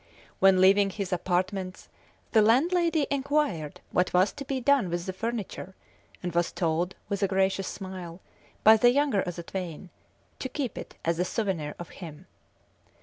When leaving his apartments, the landlady enquired what was to be done with the furniture, and was told, with a gracious smile, by the younger of the twain, to keep it as a souvenir of him.